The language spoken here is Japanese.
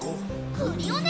クリオネ！